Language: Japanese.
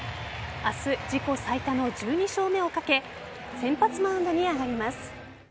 明日、自己最多の１２勝目をかけ先発マウンドに上がります。